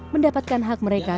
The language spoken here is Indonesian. mendapatkan hak mereka